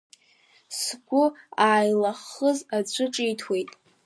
Згәы ааилаххыз аӡәы ҿиҭуеит…